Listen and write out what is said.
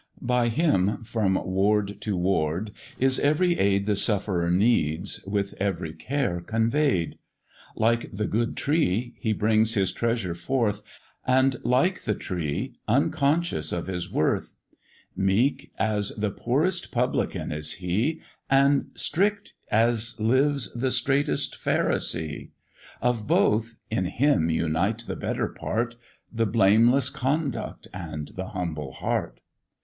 By him, from ward to ward, is every aid The sufferer needs, with every care convey'd: Like the good tree he brings his treasure forth, And, like the tree, unconscious of his worth: Meek as the poorest Publican is he, And strict as lives the straitest Pharisee; Of both, in him unite the better part, The blameless conduct and the humble heart.